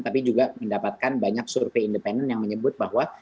tapi juga mendapatkan banyak survei independen yang menyebut bahwa